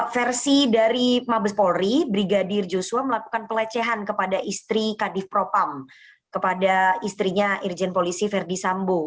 versi dari mabes polri brigadir joshua melakukan pelecehan kepada istri kadif propam kepada istrinya irjen polisi verdi sambo